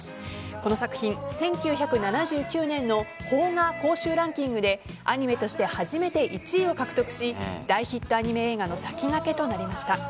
この作品、１９７９年の邦画興収ランキングでアニメとして初めて１位を獲得し大ヒットアニメ映画の先駆けとなりました。